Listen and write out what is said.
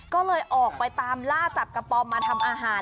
ก็เลยออกไปตามล่าจับกระป๋อมมาทำอาหาร